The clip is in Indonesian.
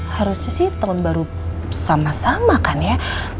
harusnya sih tahun baru sama sama kan ya